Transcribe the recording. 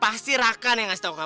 pasti rakan yang ngasih tau kamu